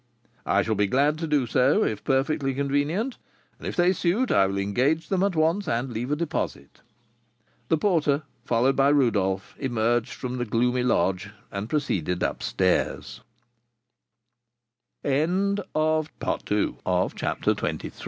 "I shall be glad to do so, if perfectly convenient; and, if they suit, I will engage them at once and leave a deposit." The porter, followed by Rodolph, emerged from the gloomy lodge, and proceeded up sta